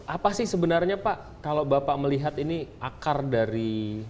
apa sih sebenarnya pak kalau bapak melihat ini akar dari